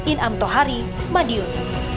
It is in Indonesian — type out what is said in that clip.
inam tohari madiun